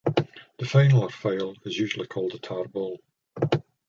The final or file is usually called a tarball.